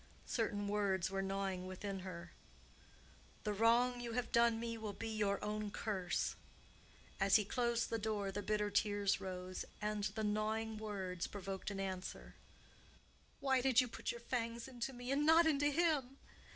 Certain words were gnawing within her. "The wrong you have done me will be your own curse." As he closed the door, the bitter tears rose, and the gnawing words provoked an answer: "Why did you put your fangs into me and not into him?"